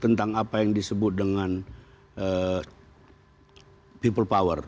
tentang apa yang disebut dengan people power